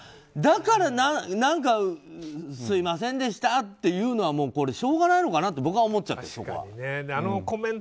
だから何かすみませんでしたって言うのはしょうがないのかなと僕は思っちゃう。